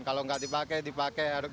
kalau tidak dipakai dipakai bahaya itu